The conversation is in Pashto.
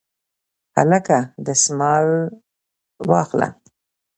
هلکه دستمال واخله